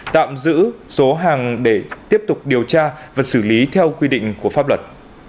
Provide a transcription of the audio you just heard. tạm giữ số hàng để tiếp tục điều tra và xử lý theo quy định của pháp luật